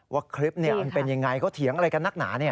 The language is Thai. ว่าคลิปมันเป็นยังไงเขาเถียงอะไรกันนักหนา